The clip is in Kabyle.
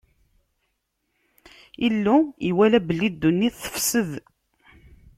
Illu iwala belli ddunit tefsed.